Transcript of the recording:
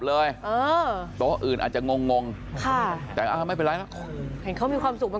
เลยโต๊ะอื่นอาจจะงงค่ะแต่ไม่เป็นไรแล้วเขามีความสุขมัน